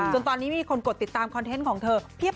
จนตอนนี้มีคนกดติดตามคอนเทนต์ของเธอเพียบ